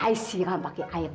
i siram pakai air